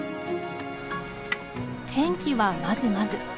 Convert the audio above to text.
天気はまずまず。